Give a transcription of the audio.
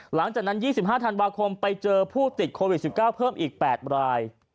หลังจากนั้น๒๕ธันวาคมไปเจอผู้ติดโควิด๑๙เพิ่มอีก๘ราย